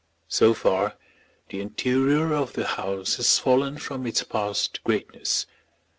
So far the interior of the house has fallen from its past greatness.